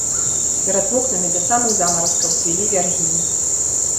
Перад вокнамі да самых замаразкаў цвілі вяргіні.